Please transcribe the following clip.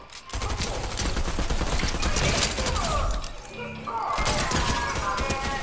結構！結構入れます。